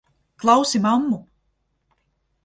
Klausi mammu!